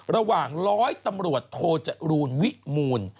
ระหว่างร้อยตำรวจโทรจรูนวิมูล